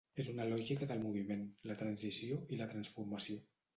És una lògica del moviment, la transició i la transformació.